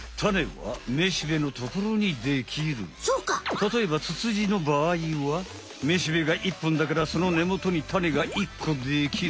たとえばツツジのばあいはめしべが１ぽんだからそのねもとにタネが１こできる。